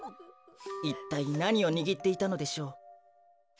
いったいなにをにぎっていたのでしょう？